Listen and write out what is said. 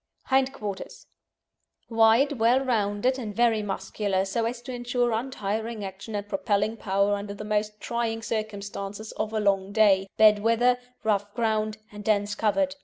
HIND QUARTERS Wide, well rounded, and very muscular, so as to ensure untiring action and propelling power under the most trying circumstances of a long day, bad weather, rough ground, and dense covert.